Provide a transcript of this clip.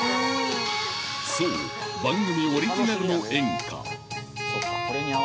そう番組オリジナルの演歌